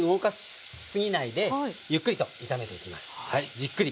じっくり。